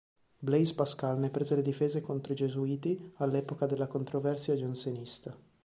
Blaise Pascal ne prese le difese contro i Gesuiti all'epoca della controversia giansenista.